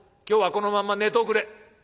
今日はこのまんま寝ておくれ。